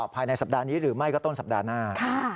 ภายในสัปดาห์นี้หรือไม่ก็ต้นสัปดาห์หน้า